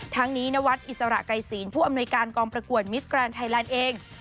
ทั้งนี้นวัดอิสระไกรศีลผู้อำนวยการกองประกวดมิสแกรนด์ไทยแลนด์เอง